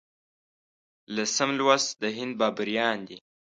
لسم لوست د هند بابریان دي.